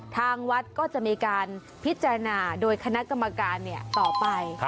ทางวัดก็จะมีการพิจารณาโดยคณะกรรมการต่อไป